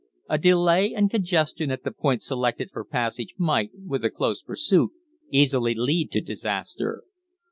A delay and congestion at the points selected for passage might, with a close pursuit, easily lead to disaster.